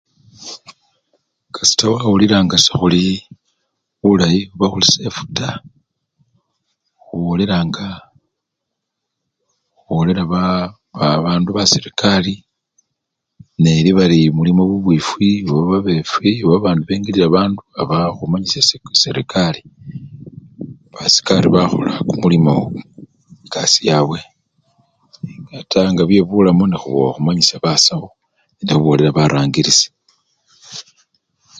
Kasita wawulila nga soli bulayi oba olisefu taa, khubolelanga, khubolela baa! babandu baserekali, neli bali bulimo bubwifwi oba babefwi oba bandu babengilila babandu aba khumanyisya serekari, basikari bakhola kumulimo! ekasii yabwe nenga taa nga bye bulamu nekhumanyisya basawo nebabolela barangilisi..